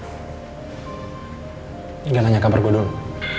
ini nggak nanya kabar gue dulu